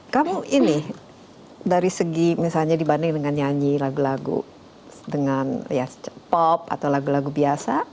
kamu ini dari segi misalnya dibanding dengan nyanyi lagu lagu dengan pop atau lagu lagu biasa